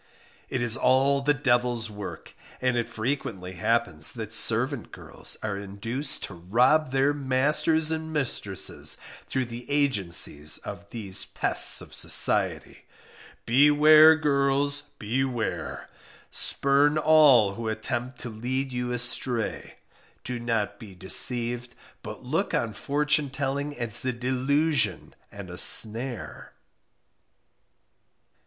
It is all the devil's work; and it frequently happens that servant girls are induced to rob their masters and mistresses through the agency of these pests of society. Beware! girls, beware! spurn all who attempt to lead you astray; do not be deceived, but look on fortune telling as a delusion and a snare.